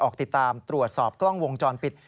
ออกติดตามตรวจสอบกล้องวงจรปิด